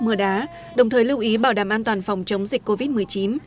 mưa đá đồng thời lưu ý bảo đảm an toàn phòng chống dịch covid một mươi chín